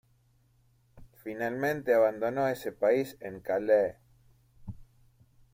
Finalmente, abandonó ese país en Calais.